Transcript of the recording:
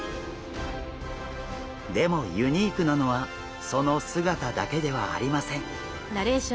でもユニークなのはその姿だけではありません。